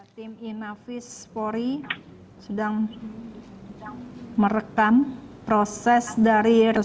tim inavis puri sedang merekam proses dari yosua